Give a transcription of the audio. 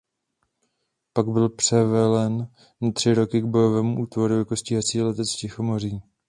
Pak byl převelen na tři roky k bojovému útvaru jako stíhací letec v Tichomoří.